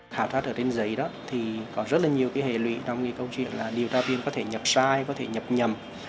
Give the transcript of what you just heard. khảo sát ở trên giấy đó thì có rất là nhiều hề lụy trong câu chuyện là điều tra viên có thể nhập sai có thể nhập nhầm